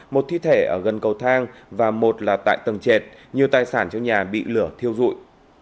một thi thể ở gần cầu thang và một là tại tầng trệt nhiều tài sản trong nhà bị lửa thiêu dụi